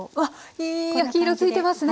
いい焼き色付いてますね。